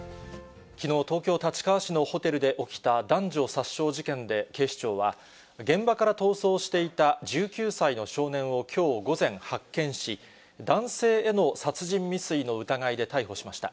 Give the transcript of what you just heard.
きのう、東京・立川市のホテルで起きた男女殺傷事件で、警視庁は、現場から逃走していた１９歳の少年をきょう午前、発見し、男性への殺人未遂の疑いで逮捕しました。